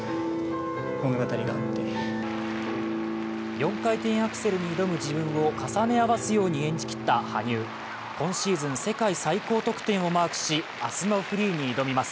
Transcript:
４回転アクセルに挑む自分を重ね合わすように演じきった羽生、今シーズン世界最高得点をマークし明日のフリーに挑みます。